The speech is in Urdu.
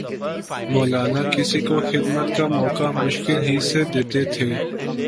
مولانا کسی کو خدمت کا موقع مشکل ہی سے دیتے تھے